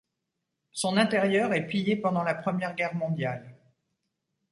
Son intérieur est pillé pendant la Première Guerre mondiale.